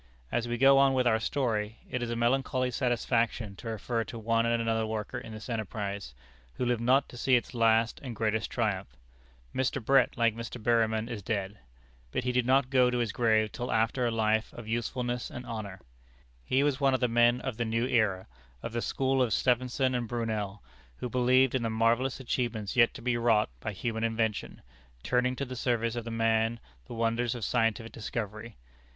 As we go on with our story, it is a melancholy satisfaction to refer to one and another worker in this enterprise, who lived not to see its last and greatest triumph. Mr. Brett, like Berryman, is dead. But he did not go to his grave till after a life of usefulness and honor. He was one of the men of the new era of the school of Stephenson and Brunel who believed in the marvellous achievements yet to be wrought by human invention, turning to the service of man the wonders of scientific discovery.